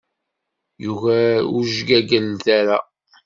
Yugar ujgagal, tara.